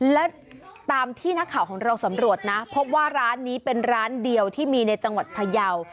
และตามที่นักข่าวของเราสำรวจนะพบว่าร้านนี้เป็นร้านเดียวที่มีในจังหวัดพยาว